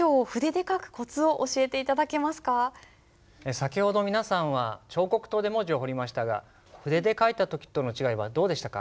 先ほど皆さんは彫刻刀で文字を彫りましたが筆で書いた時との違いはどうでしたか？